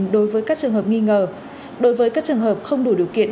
đối với các trường hợp nghi ngờ đối với các trường hợp không đủ điều kiện